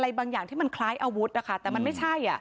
บางอย่างที่มันคล้ายอาวุธนะคะแต่มันไม่ใช่